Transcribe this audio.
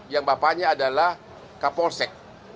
yang bapaknya adalah kapolsek